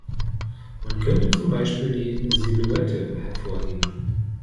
Man könnte zum Beispiel die Silhouette hervorheben.